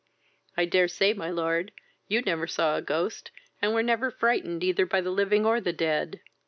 I dare say, my lord, you never saw a ghost, and were never frightened either by the living or the dead."